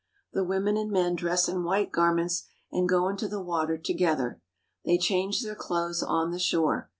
The women and men dress in white garments and go into the water together. They change their clothes on the shore.